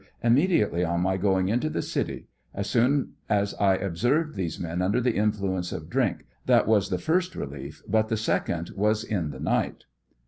Immediately on my going into the city ; as soon as I observed these men under the influence of drink ; that was the flrst relief, but the second was in the night.